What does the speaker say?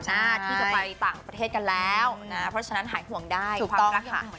หน้าที่จะไปต่างประเทศกันแล้วนะเพราะฉะนั้นหายห่วงได้ถูกต้องค่ะ